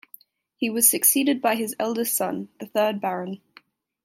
He was succeeded by his eldest son, the third Baron.